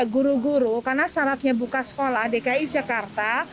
guru guru karena syaratnya buka sekolah dki jakarta